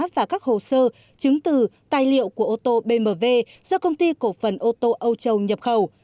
và các hồ sơ chứng từ tài liệu của ô tô bmw do công ty cổ phần ô tô âu châu nhập khẩu